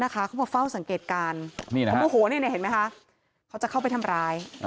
เขามาเฝ้าสังเกตการโมโหเขาจะเข้าไปทำร้าย